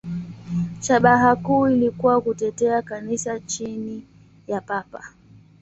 Shabaha kuu ilikuwa kutetea Kanisa chini ya Papa.